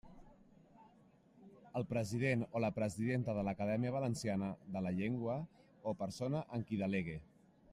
El president o la presidenta de l'Acadèmia Valenciana de la Llengua o persona en qui delegue.